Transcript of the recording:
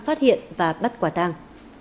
phát hiện và bắt quả tang